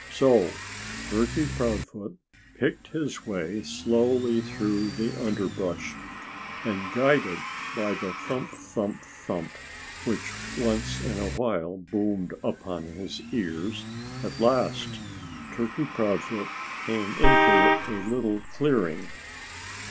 So Turkey Proudfoot picked his way slowly through the underbrush. And guided by the thump thump thump which once in a while boomed upon his ears, at last Turkey Proudfoot came into a little clearing.